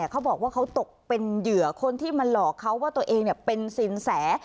เขาบอกว่าเขาตกเป็นเหยื่อคนที่มาหลอกเขาว่าตัวเองเป็นสินแส